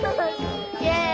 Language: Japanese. イエイ！